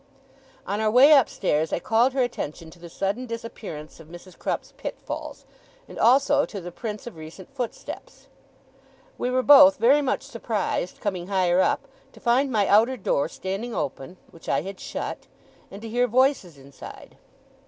On our way upstairs, I called her attention to the sudden disappearance of Mrs. Crupp's pitfalls, and also to the prints of recent footsteps. We were both very much surprised, coming higher up, to find my outer door standing open (which I had shut) and to hear voices inside.